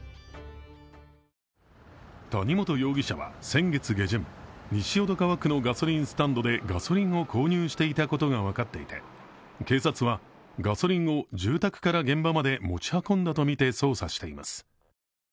谷本容疑者は先月下旬、西淀川区のガソリンスタンドでガソリンを購入したことが分かっていて、警察はガソリンを住宅から現場まで持ち運んだとみて捜査しています。